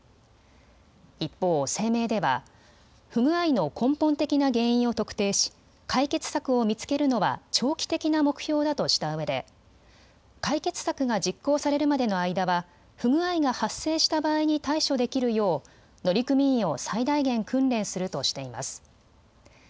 一方、声明では不具合の根本的な原因を特定し解決策を見つけるのは長期的な目標だとしたうえで解決策が実行されるまでの間は不具合が発生した場合に対処できるよう乗組員を最大限、訓練するとしています。